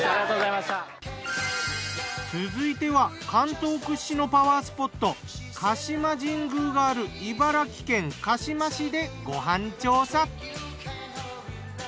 続いては関東屈指のパワースポット鹿島神宮がある茨城県鹿嶋市でご飯調査。